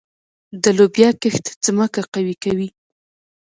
د لوبیا کښت ځمکه قوي کوي.